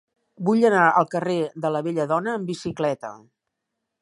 Vull anar al carrer de la Belladona amb bicicleta.